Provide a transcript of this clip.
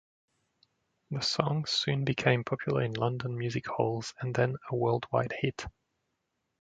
The song soon became popular in London music halls, and then a worldwide hit.